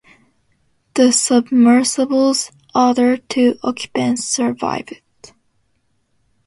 The submersible's other two occupants survived.